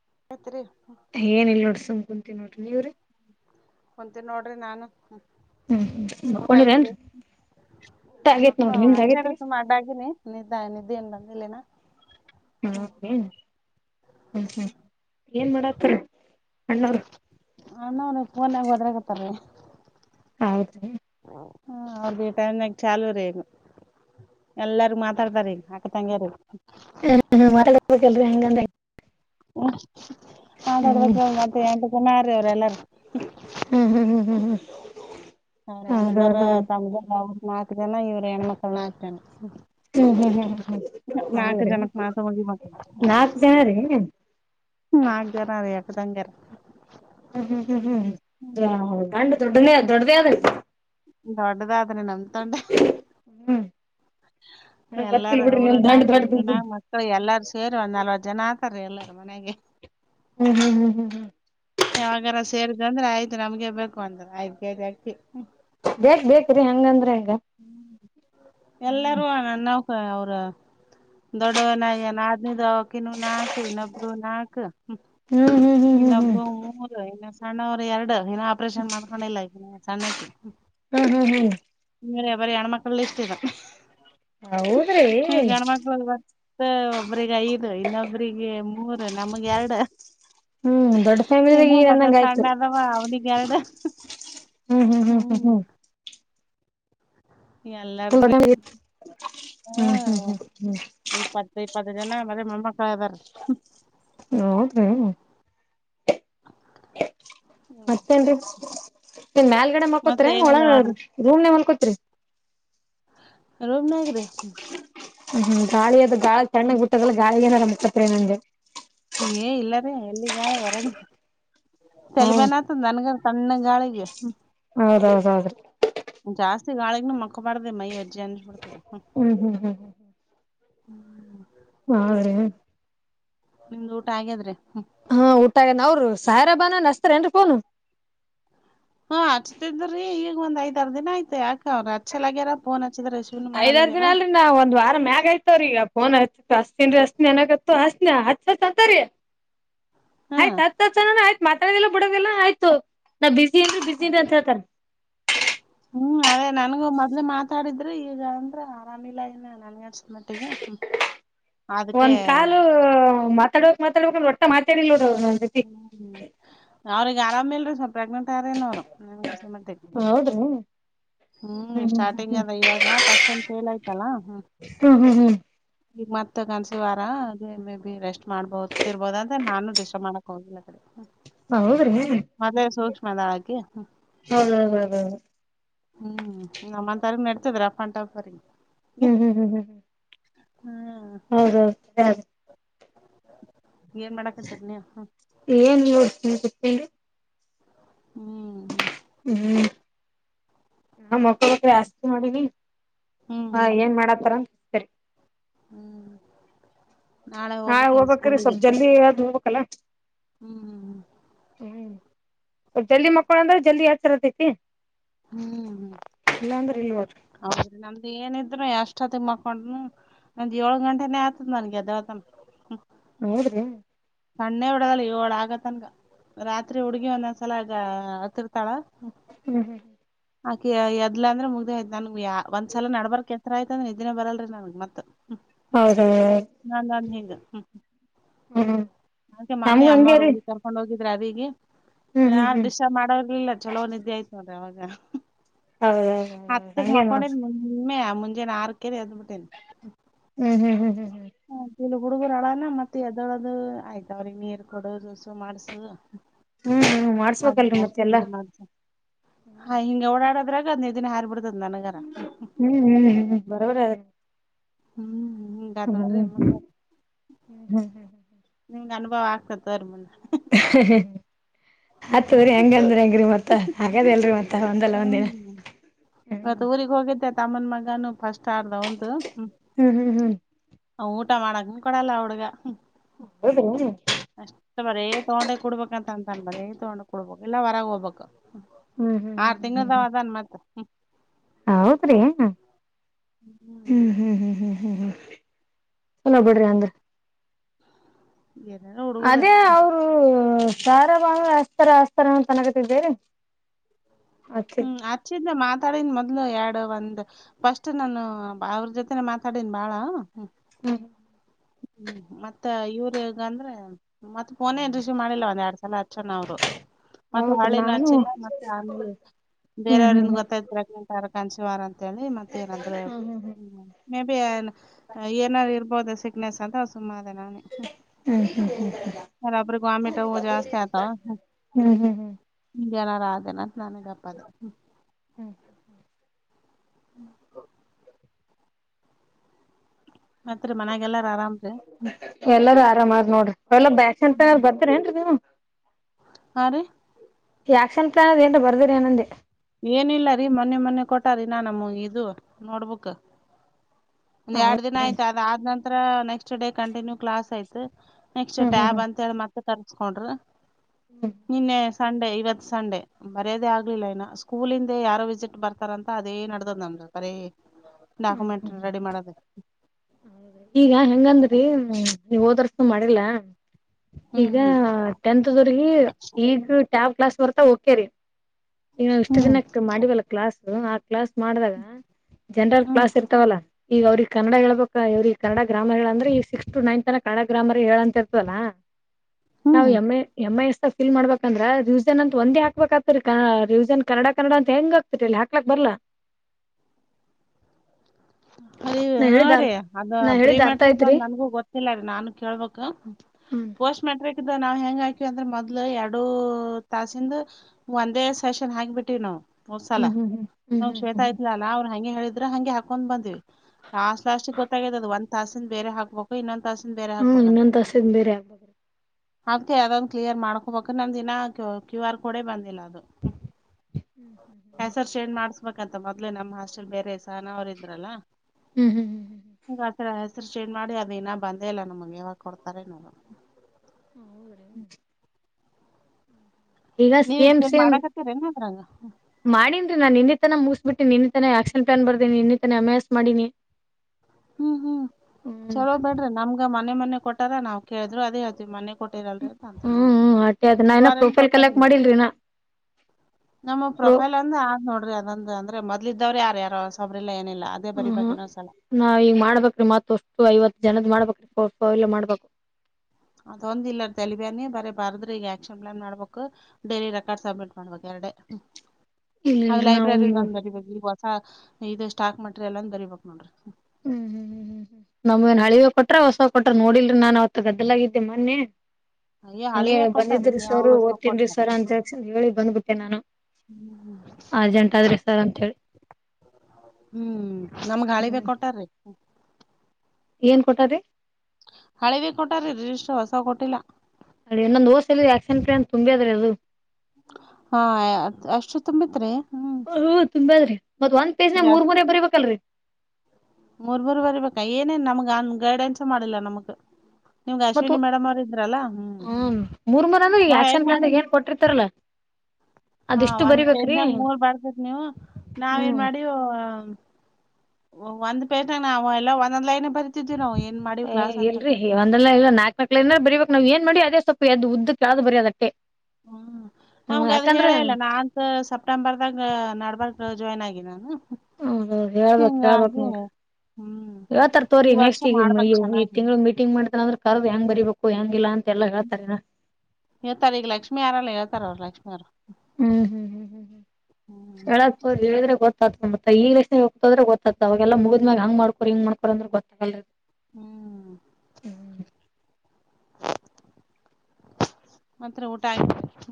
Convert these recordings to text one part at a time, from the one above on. ಏನ್ ಮಾಡಾಕತ್ತೀರಿ ಏನ ಇಲ್ ನೋಡ ಸುಮ್ ಕುಂತಿನ್ ನೋಡ್ರಿ ನೀವ್ರಿ ಕುಂತೀನಿ ನೋಡ್ರಿ ನಾನು ಹ್ಮ್ ಹ್ಮ. [unintelligible] ಮಕ್ಕ [unintelligible] ಅಡ್ಡಗಿನಿ ನಿದ್ದಾ ನಿದ್ದೆನ್ ಬಂದಲಿನ. ಹ್ಮ ಹ್ಮ್ ಹ್ಮ್ ಏನ್ ಮಾಡತ್ತ. [unintelligible] ಫೋನ್ ಆಗ ಬದ್ರಾಗತ್ತಾರೀ. ಹೌದ್ರಿ ಹ [unintelligible] ಟಮ್ನಾಗ ಚಾಲುೂರೇ. ಎಲ್ಲಾರ ಮಾತಾಡ್ತಾರಿ ಈ ಅಕ್ಕ ತಂಗಿಯಾರ. [unintelligible] ಹೆಂಗಂಗ ಹ್ಮ ಆಡ್ಬೇಕ ಮತ್ತೆ ಎಂಟು ದಿನ ಅವ್ಎಲ್ಲರ್. ಹ್ಮ್ ಹ್ಮ್ ಹ್ಮ್ ಹ್ಮ ಹ್ಮ. ಅವ್ರ ಅಣ್ಣದರ ತಮ್ಮದವ ಅವ್ರ ನಾಲ್ಕು ಜನ ಇವ್ರ ಹೆಣ್ಮಕ್ಳ ನಾಲ್ಕು ಜನ. ಹ್ಮ್ ಹ್ಮ್ ಹ್ಮ್ ಹ್ಮ್ ಹ್ಮ್ ನಾಕ್ ಹದ್ರೀ ಜನಕ್ ಮಾತು ಮುಗಿಬೇಕ ನಾಕ್ ಜನ ರೀ. ನಾಕ ಜನ ರೀ ಅಕ್ಕ ತಂಗಿರು. ಹ್ಮ್ ಹ್ಮ್ ಹ್ಮ್ ಹ್ಮ ಹ್ಮ ಡ ದೊಡ್ಡ ದೊಡ್ಡ ಅದು. ದೊಡ್ಡದ ಆದನೆ ನಮ ತೊಂಡೆ. ಹ್ಮ್ ನನಗ್ ಎಲ್ಲಾರ ಗೊತ್ತಿಲ್ ಬಿಡ್ರಿ ಅವರು ನಿಮ್ ದಂಡ್ ನಾಕ ದೊಡ್ಡದು ಇವರು ನಾ ಹ್ಮ್ ಮಕ್ಳು ಎಲ್ಲಾರು ಸೇರಿ ಒಂದ್ ನಲ್ವತ್ ಜನ. ಸರಿ ಅಲ್ಲಾರ ಮನೆಗೆ. ಹ್ಮ್ ಹ್ಮ್ ಹ್ಮ್ ಹ್ಮ್ ಹ್ಮ್. ಯಾವಾಗಾರ ಸೇರ್ದ ಅಂದ್ರೆ ಆಯ್ತು ನಮ್ಗೆ ಬೇಕು ಅಂತ ಆಯ್ ಕೆಜಿ ಅಕ್ಕಿ. ಬೇಕ ಬೇಕ್ರೀ ಹೆಂಗಂದ್ರೆ. ಎಲ್ಲಾರೂ ನನ್ನ ಅವ್ರ ದೊಡ್ಡವನ ನ್ ಆದ್ನದು. ಕನು ನಾಕು ಇನ್ನಬ್ಬರು ನಾಲ್ಕ ಹ್ಮ್ ಹ್ಮ್ ಹ್ಮ್ ಹ್ಮ್ ಹ್ಮ್ ಇನ್ನಬ್ಬರು ಮೂರು ಇ. ಸಣ್ಣವರು ಎರಡು ಇನ್ನ ಆಪರೇಷನ್ ಮಾಡ್ಕೊಂಡಿಲ್ಲ ಈ ಸಣ್ಣಕ್ಕಿ. ಹ್ಮ್ ಹ್ಮ ಹ್ಮ್. ಬರೀ ಹೆಣ ಮಕ್ಕಳು ಲಿಸ್ಟ್ ಇದು. ಹೌದ್ರಿ ಗಂಡ ಮಕ್ಳ ಬತ್ತ ಒಬ್ರಿಗೆ ಐದು ಇನ್ನೊಬ್ರಿಗೆ ಮೂರು. ನಮ್ಗೆ ಎರಡು. ಹ್ಮ್ ದೊಡ್ಡ ಫ್ಯಾಮಿಲಿದಾಗ ಈ ಇನ ಪತ ಅಂದಂಗ ಆಯ್ತು ಸಾಣದಾವ ಅವದ ಕಾರೆದ. ಹ್ಮ್ ಹ್ಮ್ ಹ್ಮ್ ಹ್ಮ್. ಎಲ್ಲಾರದ್ರೆ ಹ ಹ್ಮ್ ಹ್ಮ್ ಹ್ಮ್ ಹ್ಮ್ ಈಪ್ಪತ್ತ. ಪ್ಪತ್ತು ಜನ ಮದೆ ಮೊಮ್ಮಕ್ಕಳ ಆದರೆ. ಹ ಹೌದ್ರಿ. ಅದಾರಿ ಮತ್ತೇನ್ರಿ. ನೀ ಮೇಲ್ಗಡೆ ಮತ್ತ ಮಲ್ಕೊತ್ರಿ ಏನಿಲ್ಲ ಒಳಗ ನೋಡ್ರಿ ರೂಮ್ನೆ ಮಲ್ಕೊತ್ರಿ. ರೂಮ್ ನಾಗರಿ. ಹ್ಮ ಗಾಳಿ ಅದ ಗಾಳ ಚನ್ನಾಗ್ ಬಿಟ್ಟದ್ರ ಗಾಳಿ ಏನಾರರ ಮುತತ್ ನನ್ಗೆ. ಏ ಇಲ್ಲ ರೀ ಎಲ್ಲಿ ಗಳೆ ಹೊರಗೆ ಹ್ಮ್ ತಲೆಮೇನತ ನನ್ಗ ಸಣ್ಣ ಗಾಳಿಗೆ. ಹೌದೌದ್ ಹೌದ್ರೀ ಜಾಸ್ತಿ ಗಾಳಗ್ನು ಮಕ್ಬಾರ್ದ ಮಜ್ಜ ಅಿಸ್ಬ ಬಿಡ್ತದ. ಹ್ಮ್ ಹ್ಮ್ ಹ್ಮ್ ಹ್ಮ್ ಹ್ಮ್. ಹ್ಮ್ [inaudible] ಹಾ [unintelligible] ನಿಮ್ದ್ ಊಟ ಹಾಗಗ್ಯಾದ್ರೆ. ಹಾ ಊಟಾಗ ಅವರು ಸಾಯಿರಾಬಾನನ್ ಅಸ್ರ ಏನ ಪುನೀತ್. ಹ್ಮ ಹಚ್ತಿದ್ರೀ ಈಗ ಒಂದ್ ಐದ್ರ್ ದಿನ ಆಯ್ತೆ ಯಾಕ ಅವ್ರ ಹಚ್ಚಲಗ್ಯಾರ. ಐದ್ಾರ ದಿನ ಅಲ್ರಿ ನಾವ ಒಂದ್ ವಾರ ಮ್ಯಾಗ ಆಯ್ತವ್ರೀ ಈಗ ೋನ್ ಆಯ್ತು [unintelligible] ಹಸ್ನನಾಗತ್ತು ಹ ಹ ರೀ ಹಾ ಆಯ್ತು ಹತ್ ಆಯ್ತ. ಮಾತಾಡುದಿಲ್ಲಾ ಬಿಡೋಲ್ಲ ಆಯ್ತು ನಾ ಬಿಸಿ ಏರು ಬಿಸಿ ಅಂತ ಹೇಳ್ತಾರ. ಹ್ಮ್ ಅದೇ ನನ್ಗೂ ಮೊದ್ ಮಾತಾಡಿದ್ರೆ ಈಗ ಅಂದ್ರ ಆರಾಮಿಲ್ಲ ಇಲ್ಲ ನನ್ಗೆ. ಮಟ್ಟಿಗೆ ಅದಕ್ಕೆ [unintelligible] ಮಾತಾಡಬೇಕ ರಟ್ಟ ಮಾತಾಡಿ [unintelligible] ಹ್ಮ್ ಅವ್ರಗ್ ಆರಾಮೇಲ್ರ ಸ್ವಲ್ಪ [unintelligible] ಪ್ರೆಗ್ನಂಟ್ ಆರನ್ನೋರ ಸಮಯ [unintelligible] ಹೌದ್ರಿ ಹ್ಮ್ ಸ್ಟಾರ್ಟಿಂಗ್ ಅದ ಇವಾಗ ಪಫಸ್ಟ್ದ ಫೇಲ್ ಆಯ್ತಲ್ಲ ಹ [unintelligible] ಹ್ಮ್ ಹ್ಮ್ ಹ್ಮ್ ಹ್ಮ್ ಈ ಮತ್ತ [unintelligible] ಕನ್ಸ ವಾರ ಅದೇ ಮೇ ಬಿ ರೆಸ್ಟ್ ಮಾಡ್ಬೋದು ಇರ್ಬೋದ ಅಂತ ನಾನು ಡಿಸ್ಟರ್ಬ್ ಮಾಡಕ್ ಹೋಗದಿಲ್ಲ ಕಡೆ [unintelligible] ಹಾ ಹೌದ್ರೀರಿ [unintelligible] ಮದ ಹಾಗೆ [unintelligible] ಹ್ಮ ಹಾ ಹಾ ಹಾ [unintelligible] ಹ್ಮ್ ತಾರ ನಡ್ತದ್ರ ಅಪ್ಪಂತಪ್ಪ್ರ [unintelligible] ಹ್ಮ್ ಹ್ಮ್ ಹ್ಮ್ ಹ್ಮ್ ಹ್ಮ್ [unintelligible] ಹೌದೌದು [unintelligible] ಹ [unintelligible] ಏನ್ ಗತ್ತಿ. [unintelligible] ಹ್ಮ್ ಹ್ಮ್ ಹ್ಮ್. [unintelligible] ನಾ ಮಕ್ಕಳತ್ರ ಜಾಸ್ತಿ ಮಾಡಿನಿ ಹ್ಮ್ ಹ್ಮ್ ಏನ್ ಮಾಡತಾರ ಅಂತತರಿ. [unintelligible] ಹ್ಮ್. [unintelligible] ಹಾ ಹೋಗ್ಬೇಕೇನ್ ಹೋಗ್ಬೇಕ್ರೀ ಸ್ಕೂಲಿಗೆ ಸ್ವಲ್ಪ್ ಜಲ್ದಿ ಹೋಗ್ಕ್ಲ್ ಹ್ಮ. ಹ್ಮ್ [unintelligible] ಸ್ವಲ್ಪ ಜಲ್ದಿ ಮಕ್ಕಳ ಅಂದ್ರೆ ಜಲ್ದಿ ಯ್ತರತೈತಿ. [unintelligible] ಹ್ಮ್ ಹ್ಮ್ ನೋಡ್ರಿ ಹೌದು ನಮ್ದು ಏನಿದ್ರು ಎಷ್ಟು. [unintelligible] ಇಷ್ಟ ಮಕೊಂಡ್ನು ಒಂದ್ ಏಳ ಗಂಟೆನೆೇ ಆತದ ನನ್ಗೆ ಅದತ. [unintelligible] ನೋಡ್ರಿ. [unintelligible] ಸಣ್ಣೆ ಹಡಗಲ್ಲ ಏಳ ಆಗತ್ನ್ಗ ರಾತ್ರಿ ಹುಡ್ಗಿ ಒಂದೊಂದ್ಸಲ ಆಗ ಹತ್ತಿರ್ತಾಳ. [unintelligible] ಹ್ಮ್ ಹ್ಮ್ ಹ್ಮ್. [unintelligible] ಆಕೆ ಎದಲ ಅಂದ್ರೆ ಮುಗ್ದ ಆಯತ ನನ್ ಯಾ ಒಂದ್ಸಲ ನಡ್ಬಾರ ಕೆ ಹೆಸರ ಆಯ್ತ ಅಂದ್ರೆ ಇದಿನೇ ಬರಲ್ರಿ ನನ್ಗ್ ಮತ್. [unintelligible] ಹೌದೌದೌದು ಹ್ಮ್ ನಾನ್ ಹೀಗ ಹ್ಮ್. ಹ್ಮ್ [unintelligible] ಅದೆ ಮೊನ್ನೆ ನಮ್ಗು ಅಮ್ಮರು ಹಂಗೇರಿ ಊರಿಗೆ ಕರ್ಕೊಂಡ್ ಹೋಗಿದ್ದ. [unintelligible] ಅದಿಗೆ ಹ್ಮ್ ಹ್ಮ್ ಯಾರು ಹ್ಮ್ ಡಿಶಬ್ ಮಾಡೋಲಿಲ್ಲ ಚಲೋ ನಿದ್ದೆ ಆಯ್ತೋರೀ ಅವಾಗ. [unintelligible] ಹೌದೌದೌದು ಹತ್ತ ಹಂಗೆ ಮಕಡ ನೋಡ್ರಿ ಮು. [unintelligible] ಮುಂಜಾನಾನ ಆರು ಕರೆ ಅದಬಿಟ್ಟೇನೆ. ಹ್ಮ್ ಹ್ಮ್ ಹ್ಮ್ ಹ್ಮ್ ಹ್ಮ್ [unintelligible] ಇಲ್ಲಿ ಹುಡುಗರ ಅಳಾನ ಮತ್ತೆ ಎದೊಳದ ಆಯ್ತ ಅವ್ರಗ್ ನೀರ್ ಕೊಡು ದಸು ಮಾಡಸು. [unintelligible] ಹ್ಮ್ ಮಾಡ್ಸ್ಬೇಕಲ್ರಿ ಮತ್ತೆ ಎಲ್ಲಾ. [unintelligible] ಹಾ ಹಿಂಗ ಓಡ್ರಾಗದ್ ಹದಿನೈದು ದಿನ ಹಾರ್ಬಿಡ್. ಹ್ಮ್ ಹ್ಮ್ ಹ್ಮ್ ಬರಬರ ಆ. [unintelligible] ಹ್ಮ್. [unintelligible] ಹ್ಮ್ ನೋಡ್ರಿ ಹ್ಮ್ ಮತ್ತ ಹ್ಮ್ ಹ್ಮ್ ಹ್ಮ್ ಹ್ಮ. [unintelligible] ಆಕತ ಮ. [unintelligible] ಆತ್ವ್ರರಿ ಹೆಂಗಲ [unintelligible] ಹೆಂಗ್ರೀ ಮತ್ತ ಹಾಗಾದ ಅಲ್ರಿ ಮತ್ತ. ಒಂದಲ್ಲ ಒಂದಿನ. [unintelligible] ಮತ್ತ ಊರಿಗೆ ಹೋಗಿದ್ದೆ ತಮ್ಮನ್ ಮಗನು ಫಸ್ಟ್ ಆರಒಂದು. [unintelligible] ಹ್ಮ್ ಹ್ಮ್ ಹ್ಮ್. [unintelligible] ಟಮಣಗನ್ ಕಡ ಅಲ್ಲ ಆವಡುಗ. [unintelligible] ಹದ. [unintelligible] ಅಷ್ಟ ಬರ ತಗೊಂಡೆ ಕು ಕೊಡ್ಬೇಕಂತ ಅಂತನ್ ಬರ್ ತಗೊಂಡೆ ಕು ಕೊಡ್ಬಕ್ ಇಲ್ಲ ಹೊರಗೆ ಹೋಗ್ಬೇಕು. ಹೌದ್ರಿ ಹ್ಮ್ ಹ್ಮ್ [unintelligible] ಹ್ಮ್ ಆರ್ ತಿಂಗಳದಾವದನ್ ಮತ್ತ. [unintelligible] ಹೌತ ರ ಹ್ಮ್ ಹ್ಮ್ ಹ್ಮ್ ಹ್ಮ್ ಹ್ಮ್. [unintelligible] ಹ್ಮ್ ಹ್ಮ ಸನೋ ಬಡ್ರ ಅಂದ. [unintelligible] ಏನೇನೋ ಹುಡ್ಗುರು ಅದೇ ಅವರು. [unintelligible] ರ ಭಹ ಅಸ್ತರ ಅಸ್ತರ ಅ ತನಗತ್ತಿದ್ದೇವೆ. [unintelligible] ಹ್ಮ್ ಅಚ್ಚಿದ ಮಾತಾಡನ್ ಮೊದ್ಲು ಎರಡು. ಒಂದ ಫಸ್ಟ್ ನಾನು ಅವ್ರ ಜೊತೆನೆ ಮಾತಾಡನಿ ಬಾಳ. ಹ್ಮ್. ಹ್ಮ್ ಮತ್ತತ್ ಇವ್ರಗ ಅಂದ್ರೆ ಮತ್ ಪಫೋನೇ ರಿಸೀವ್ ಮಾಡಿಲ್ಲ ಒಂದ್ ಎರಡ್ ಸಲ ಹಚ್ಚಣ ಅವ್ರು. ಮತ್ತ ಹೌದ್ರಿ ಹಳಿನ ನಾನು ಹಚ್ಚಿಲ್ಲ ಮತ್ತೆ ಆಮೇಲೆ ಹ್ಮ್ ಹ್ಮ್ ಬೇರೆಯವರಿಂದ ಗೊತ್ತಾಯ್ತಾರೆಂತ. ಕಂಚಿವಾರ ಅಂತ ಹೇಳಿ ಮತ್ತ ಏನಾದ್ರು ಹ್ಮ್ ಹ್ಮ್ ಮ ಏನಾದಾರರು ಇರ್ಬೋದ. ನ ಸಂತೋ ಸಮ್ಮ ಅದ ನಾನು. ಹ್ಮ್ ಹ್ಮ್ ಅರಪ್ರ ಗುಮಿಟ ಹ ಜಾಸ್ತ ಆತ್ಮ. ಹ್ಮ್ ಹ್ಮ್ ಹ್ಮ್ ಹ್ಮ್ ಹ್ಮ್ ಹ್ಮ್ ಜನರ ಅನಂತ ನನಗಪ್ಪದೆ. ಹ್ಮ್ ಮತ್ತತ್ರಿ ಮನಯಾಗ ಎಲ್ಲಾರ ಆರಾಮ್ರೀ. ಎಲ್ಲಾರೂ ಆರಾಮಾರ್ ನೋಡ್ರಿ ಎಲ್ಲಾ ಬ್ಯಾ ಅಂತ ಬರಏನ್ರಿ ನೀ. ಹಾ ರಿ. ಯಾಕ್ಷನ್ ಪ್ಲಾನ್ ಅದ ಏನ್ ಬರ್ದಿರಿ ಏನಂದೇ. ಏನಿಲ್ಲ ರೀ ಮೊನ್ನೆ ಮೊನ್ನೆ ಕೊಟ್ಟಾರೀ ನಾ ನಮ್ ಇದು ನೋಡ್ಬುಕ್. ಒಂದ್ ಎರಡ್ ಹ್ಮ್ ದಿನ ಆಯ್ತು ಅದ ಆದ್ ನಂತರ ನೆಕ್ಸ್ಟ್ ಡೇ ಕಂಟಿನ್ಯೂ ಕ್ಲಾಸ್ ಆಯ್ತು ನೆಕ್ಸ್ಟ್ ಹ್ಮ್ ಟ್ಯಾಬ ಹ್ಮ್ ಅಂತೇಳಿ ಮತ್ತ ತರ್ಸ್ಕೊಂಡ್ರ ನಿನ್ನೆ ಸಂಡೆ ಇವತ್ತ ಸಂಡೆ ಬರ್ಯದೇ ಆಗ್ಲಿಲ್ಲ ಇನ್ನ ಕೂಲಿಂದ ಯಾರೋ ವಿಸಿಟ್ ಬರ್ತಾರಂತ ಅದೇ ನಡ್ದದ್ ನಮ್ದ ಬರೆ ಹ್ಮ್ ಹ್ಮ್ ಡಾಕ್ಯುಮೆಂಟ ರೆಡಿ ಮಾಡೋದ ಈಗ ಹೆಂಗಂದ್ರರಿ ನೀವ ಓದರ್ಸು ಮಾಡಿರಲ್ಲಾ ಈಗ ಹ್ಮ್ ಟೆಂತ್ದವರ್ಗಿ ಈಗ ಟ್ಯಾಬ ಕ್ಲಾಸ್ ಬರ್ತಾವ ಓಕೇರಿ ಇ ಇಷ್ಟು ಹ್ಮ್ ದಿನಕ್ಕೆ ಮಾಡಿವಲ್ಲ ಕ್ಲಾಸೂ ಕ್ಲಾಸ ಮಾಡಿದಾಗ ಜನರಲ್ ಹ್ಮ್ ಕ್ಲಾಸ ಇರ್ತಾವಲ್ಲ ಈಗ ಅವ್ರಿಗೆ ಕನ್ನಡ ಹೇಳ್ಬೇಕ ಇವ್ರಿಗೆ ಕನ್ನಡ ಗ್ರಾಮರ ಹೇಳ ಅಂದ್ರೆ ಈ ಸಿಕ್ಸ್ತ್ ಟು ನೈನ್ತ್ನ ಕನ್ನಡ ಗ್ರಾಮರ್ ಹೇಳಂತಿರ್ತಲ್ಲಾ ನಾವು ಹ್ಮ್ ಎಮ ಎಮಐ. ಫೀಲ್ ಮಾಡ್ಬೇಕಂದ್ರೆ ರಿವಿಜನ್ ಅಂತ ಒಂದೇ ಹಾಕ್ಬೇಕಕ್ ಆಗ್ತ್ರಿ ರಿವಿಜನ್ ಕನ್ನಡ ಕನ್ನಡ ಅಂತ ಹೆಂಗ ಆಗ್ತರಿಲ್ಲಿ ಹಾಕ್ಲಕ್ ಬರಲ್ಲಾ ಅರಿ ನಾ ಹಾ ಹೇಳಿದ ಅರ್ ರೀ ಅದ ನಾ ಹೇಳಿದ ಅರ್ಥ ಪ್ರಿಮಾಟ್ರಿಕ್ ಆಯ್ತ್ರಿ ಒಂದ್ ನನ್ಗೂ ಗೊತ್ತಿಲ್ಲ ರೀ ನಾನು ಕೇಳ್ಬೇಕ ಹ್ಮ್ ಪೋಸ್ಟಟ್ರಿಕ್ ನಾವ್ ಹೆಂಗ ಹಾಕಿವವಿ ಅಂದ್ರೆ ಮೊದ್ಲ ಎರಡು ತಾಸಿಂದ ಒಂದೇ ಸೆಷನ್ ಹಾಕ್ಬಿಟ್ಟಿವ ನಾವು ಹೋದ ಸಲಾ ಹ್ಮ್ ಹ್ಮ್ ಹ್ಮ್ ಹ್ಮ್ ನಮ್ಮ ಹ್ಮ್ ಶ್ವೇತಾ ಹ್ಮ್ ಹ್ಮ್ ಇದ್ಲ ಲಾ ಅವ್ರು ಹಂಗೆ ಹೇಳಿದ್ರ ಹಗೆ ಹಾಕೊಂಡ್ ಬಂದ್ವಿ ಲಾಸ್ಟ್ ಲಾಸ್ಟ್ ಗೊತ್ತಾಗೇತಿ ಅದ ಒಂದ್ ತಾಸಿಂದ ಬೇರೆ ಹಾಕ್ಬೇಕು ಇನ್ನೊಂದ ಹ್ಮ್ ಇನ್ನೊಂದ್ ತಾಸಿದ ಬೇರೆ ಹಾಕ್ಬೇಕ ಆಗ್ತ ಯಾವ್ದ್ ಕ್ಲಿಯರ್ ಮಾಡ್ಕೋಬೇಕಕ ನಂದ ಇನ್ನ ಕ್ಯೂ ಆರ್ ಕೋಡೆೇ ಬಂದಿಲ್ಲ ಅದು ಹೆಸರು ಸೇನ ಮಾಡಸಬೇಕ ಯಾಂತ ಮೊದ್ಲೆ ನಮ್ಮ್ ಹಾಸ್ಟೆಲ್ ಬೇರೆ ಸಹನಾ ಅವರ ಇದ್ರಲ್ಲ ಹ್ಮ್ ಹ್ಮ್ ಹ್ಮ್ ಹ್ಮ್ ಆ ಚೇಜ್ ಮಾಡಿ ಅದು ಇನ್ನ ಬಂದೇ ಇಲ್ಲ ನಮ್ಗೆ ಯಾವಾಗ ಕೊಡ್ತಾರೆ ಏನೋ ಹಾ ಹೌದ್ರೀ ಈಗ ನೀವ್ ಸೇಮ್ ಪೇ ಸೇಮ್ ಮಾಡಾಕತ್ತೀರೇನ ಅದ್ರಾಗ ಮಾಡಿನರಿ ನಾ ನಿನ್ನಿತನ ಮುಗಸಿ... ಬಿಟ್ಟಿ ನಿನ್ನ ತಾನೆ ಆಕ್ಷನ್ ಪ್ಲಾನ್ ಬರ್ದೀನಿ ನಿನ್ನ ತನಾ ಎಮ ಐ ಎಸ್ ಮಾಡಿನಿ ಹ್ಮ್ ಹ್ಮ್ ಚಲೋ ಬಿಡ್ರಿ ನಮ್ಗ ಮನೆ ಮನೆ ಕೊಟ್ಟಾರ ನಾವ್ ಕೇಳಿದ್ರು ಅದೇ ಹೇಳ್ತೀವಿ ಕೊಟ್ಟಿಲ್ಲ ಏನ್ರಿ ಅಂತೇನ ನಾನು ಹ್ಮ್ ಅಟ್ಟೆ ಅದ ನಾ ಇನ್ನ ಗುರುವಾರೇನು ಪ್ರೊಫೈಲ್ ಕೊಟ್ಟಾರ ಕಲೆಕ್ಟ್ ಏನ ಮಾಡಿಲ್ರಿ ನಾ ನಮ್ಮ ಪ್ರೊ ಪ್ರೊಫೈಲ್ ಅಂದ ಹಾಕಿ ನೋಡ ಅದೊಂದು ಅಂದ್ರೆ ಮೊದಲ ಇದವ್ರ ಯಾರ ಯಾರೋ ಹೋಸಬ್ರ ಇಲ್ಲಾ ಏನಿಲ್ಲ ಅದೇ ಬರಿಬೇಕ ಇನ್ನೊಂದ ಸಲಾ ಬ್ರೀ ಮತ್ ಅಷ್ಟು ಐವತ್ತು ಜನದ್ ಮಾಡ್ಬೇಕ್ರೀ ಎಲ್ಲ ಮಾಡ್ಬೇಕ ಹ ಅದ ಒಂದ ಇಲ್ಲ ತಲೆಬಾನಿ ಬರೇ ಬರದ್ರಿ ಈಗ ಆಕ್ಷನ್ ಪ್ಲಾನ್ ಮಾಡ್ಬೇಕ ಬೇರೆ ರೆಕಾರ್ಡ್ ಸಬ್ಮಿಟ್ ಮಾಡ್ಬೇಕ ಇಲ್ಲ ಅದ ಇಲ್ರಿ ನಾವು ಲೈಬ್ರರಿ ನಿಮ್ದು ಒಂದ ಬರೀಬೇಕ ಹ ಇದ ಸ್ಟಾಕ್ ಮೆಟೀರಿಯಲ್ ಒಂದ ಬರೀಬೇಕ ನೋಡ್ರಿ ಹ್ಮ್ ಹ್ಮ್ ಹ್ಮ್ ಹ್ಮ್ ನಮ್ಮು ಏನ ಹಳಿವ ಕೊಟ್ರ ಹೊಸಾವ ಕೊಟ್ರ ನೋಡಿಲ್ರಿ ನಾನ್ ಅವತ್ತ ಗದ್ದಲಾಗಿದ್ದೆ ಮೊನ್ನೆ ಅಯ್ಯ ಹಂಗೆ ಹಳಿವೆ ಕೊಟ್ಟಾರಿ ಬಂದಿದ್ರಿ ಯಾವ್ ಸರ್ ಹೊಸಾವ್ ಒದತಿನರಿ ಕೊಡ್ತಾರ ಸರ್ ಅಂತ ಹೇಳ ಹೇಳಿ ಬಂದ್ಬಿಟ್ಟೆ ನಾನು. ಅರ್ಜೆಂಟ್ ಆದರಿ ಸರ್ ಅಂತೇಳಿ. ಹ್ಮ್ ನಮಗ ಹಳಿದ ಕೊಟ್ಟಾರೀ. ಏನ್ ಕೊಟ್ಟಾರಿ. ಹಳವೆ ಕೊಟ್ಟಾರಿ ರಿಜಿಸ್ಟರ್ ಹೊಸಾವ ಕೊಟಿಲ್ಲ. ಅಲ್ಲಿ ಇನ್ನೊಂದು ಹೋದ ಸಲದ ಆ್ಯಕ್ಷಸನ್ ಪ್ಲಾನ್ ತುಂಬಿದ್ರೆ ಅದು. ಹಾ ಅಷ್ಟು ತುಂಬಿತರಿ. ಹ ತುಂಬೇರಿ ಮತ್ತ ಒಂದ ಪೇಜದಾಗ ಮೂರ್ ಮೂರ ಬರಿಬೇಕಲ್ರರಿ. ಮೂರ ಮೂರ ಬರಿಬೇಕಾ ಏನೇನ ನಮ್ಗ ಏನ್ ಗೈಡೆನ್ಸ ಮಾಡಿಲ್ಲ ನಮಗ. ಮ ಹ್ಮ ಮೂರ್ ಮೂರಾನ ಈ ನಾವ್ ಆಕ್ಷನ್ ಹೆಂಗ್ ಪ್ಲಾನದಾಗ ಮಾಡಿವಿ ಏನ್ ಕೊಟ್ಟಿರ್ತಾರಲ್ಲ. [inaudible] ಹಾ ಒಂದ್ ಪೇಜ ಬರಿಬೇಕ್ರಿ ಮಾಗ ಮೂರ್ ಬರ್ತೇತಿ ನೀವು ನಾವ ಏನ ಹ್ಮ್ ಮಾಡಿವಿ. ಓ ಒಂದ ಪೇಜದಾಗ ನಾವ ಎಲ್ಲಾ ಒಂದ ಒಂದ ಲೈನ್. ಬರಿತಿದ್ವಿ ನಾವು ಏನ್ ಮಾಡಿವ್ ಏ ಕ್ಲಾಸ್ ಅಂತ ಇಲ್ರರಿ ಒಂದಲ್ಲ ಇಲ್ಲ ನಾಕ್ ನಾಕ ಲೈನದಾಗ ಬರಿಬೇಕಕ್ ನಾವ್ ಏನ್ ಮಾಡಿವಿ ಅದೇ. ಸ್ವಪ ಯದ್ದ ಉದ್ದಕ್ಕೆ ಯಳದ ಬರಯೋದಟ್ಟೆ. ಹ್ಮ್ ನಮ್ಗ ಅದ ಹೇಳೆ ಇಲ್ಲ ನಾಂತ ಸಪ್ ಪ್ಟೆಂಬರ್ದಾಗ ನಡ್ಬರ್ಕ ಜಾಯ್ನ್ ಆಗಿ ನಾನು ಹ್ ಹೌದ್ ಹಿಂಗಾಗಿ. ಹ್ಮ್ ಯೆಳತರ ತೋರಿ ಈ ವರ್ಷ ನೆಕ್ಸ್ಟ್ ಈಗ ಮ ಮಾಡ್ಬೇಕ್ ಈವ್ ಈ ಚೆನ್ನಾಗಿ ತಿಂಗಳು ಮೀಟಿಂಗ್ ಮಾಡಿದ್ರ್ ಅಂದ್ರ ಕರ್ದು ಹೆಂಗ ಬರೀಬೇಕು ಹೆಂಗಿಲ್ಲ ಅಂತ. ಎಲ್ಲಾ ಹ್ಮ ಹೇಳ್ತಾರೆ ಹೇಳ್ತಾರ ಈಗ ಲಕ್ಷ್ಮಿ ಆರಲ್ಲ ಹೇಳ್ತಾರ ಅವ್ರ ಲಕ್ಷ್ಮೀ ಅವ್ರು. ಹ್ಮ್ ಹ್ಮ್ ಹೇಳಕ್ ತೋರಿ ಹೇಳಿದ್ರ. ಗೊತ್ತಾತದ ಮತ್ತ ಈ ವಯಸ್ನಾಗ್ ಹೇಳಕೊತ ಹೋದ್ರ ಗೊತ್ತಾತ್ ಅವಾಗೆಲ್ಲ ಮುಗದಮ್ಯಾಗ ಹಂಗ ಮಾಡ್ಕೋರ್ ಹಿಂಗ ಮಾಡ್ಕೋರ್ ಅಂದ್ರೆ ಗೊತ್ತಾಗಲ್ರಿ. ಹ್ಮ್ [inaudible] ಮತ್ರಿ ಊಟ ಆಯತ ಹ್ಮ.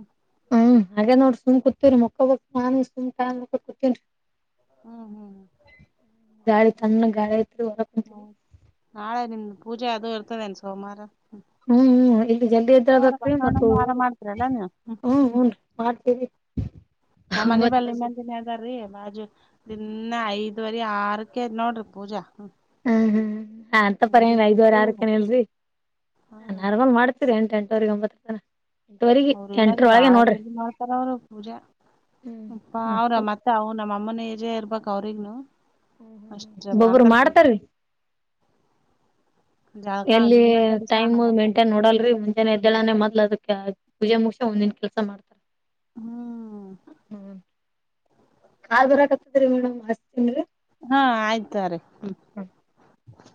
ಹ್ಮ ಹಾಗೆದ ನೋಡ್ರಿ ಸುಮ್ ಕುೂತ್ತೆರಿ ಮೊಕಬಕ್ ನಾನು ಸುಮ್ ಟ್ಯಾಮ್ ನೋಡಕೊತ್ ಕುತ್ತೆನ್ರಿ. ಹ್ಮ್ ಹ್ಮ್ ಗಾಳಿ ತಣ್ಣಗ್ ಗಾಳ್ಯೈ. ಹೌದು ನಾಳೆ ನಿಮ ಪೂಜೆ ಅದು ಇರ್ತದೆೇನ್ ಸೋಮವಾರ. ಹ್ಮ್ ಹ್ಮೂ ಇಲ್ಲಿ ಜಲ್ದಿ ಸೋಮವಾರ ಯದ್ದ್ಳೆಬೇಕ್ರೀ ಮತ್ ಬಸವಣ್ಣನ ವಾರ ಊರು ಮಾಡ್ತೀರಲ್ಲಾ ನೀವು ಹು ಹುನ್ರಿ. ಮಾಡ್ತೀರಿ. ನಮ್ ಮನಿ ಬಲ್ಲಿ ಮಂದಿನೆ ಅದಾರೀ ಮಾತ್ ಜಾ ದಿನ್ನಾ ಐದುವರಿ ಆರಕ್ಕೆ ನೋಡ್ರಿ ಪೂಜಾ ಹ್ಹ. ಹ್ಮ ಹ ನಾ ಅಂತ ಪರಿ ಎನ್ ಐದುವರಿ ಎದ್ದು ಆರಕ್ಕೆನಿಲ್ರಿ. ಹಾ ಅ ನಾರ್ಮಲ್ ಮಾಡ್ತ್ವಿರಿ ಎಂಟು ಎಂಟವ್ರರಿ ಒಂಬತ್ತರತನ. ಅವ್ರಿಲ್ಲಾರ್ದೆ ಬಾಳ ಜಲ್ದಿ ಮಾಡ್ತಾರ ಅವರು ಪೂಜಾ. ಹ್ಮ್ ಪ್ಪಾ ಹ್ಮ್ ಅವ್ರ ಮತ್ತೆ ಅವ ನಮ್ಮ ಅಮ್ಮನ ಎಜೆ ಇರ್ಬೇಕ ಅವ್ರಿಗ್ನು. ಹು ಅಷ್ಟ್ ಬ್ಬೊಬ್ಬರ ಮಾಡ್ತಾರ ಪೂಜೆ ಮಾಡ್ತಾರಿ. ಜಳಕಾ ಎಲ್ಲಿ ದಿನಾ ತಲಿ ಸ್ನಾನ ಟೈಮ್ ಮತ್ತ ಮೇಂಟೈನ್ ನೋಡಲ್ರಿ ಮುಂಜೆನೆ ಎದ್ದಳನೆ ಮೊದ್ಲ ಅದ ಯ ಪೂಜೆ ಮುಗಷೆ ಮುಂದಿನ ಕೆಲ್ಸ ಮಾಡ್ತಾರ ಹ್ಮ್ ಹ್ಮ. ಕಾಲ್ ಬರಕತ್ತದ್ರಿ ಮೇಡಮ್ ಹಸ್ತನ್ರಿ. ಹಾ ಆಯ್ತ ತಗೋರಿ ಹ್ಮ.